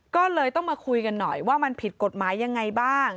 ก็เลยต้องมาคุยกันหน่อยว่ามันผิดกฎหมายยังไงบ้าง